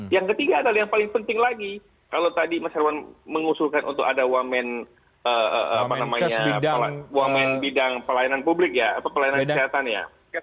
yang ketiga adalah yang paling penting lagi kalau tadi mas herwan mengusulkan untuk ada wamen bidang pelayanan publik ya atau pelayanan kesehatan ya